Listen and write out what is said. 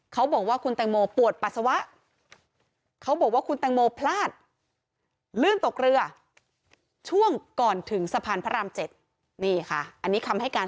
เขาบอกว่าคุณแตงโมปวดปัสสาวะ